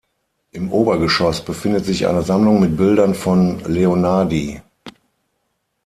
Im Obergeschoss befindet sich eine Sammlung mit Bildern von Leonhardi.